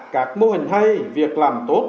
các mô hình hay việc làm tốt